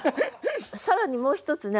更にもう一つね